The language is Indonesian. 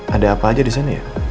ada apa aja di sini ya